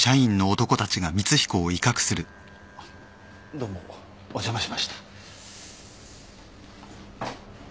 どうもお邪魔しました。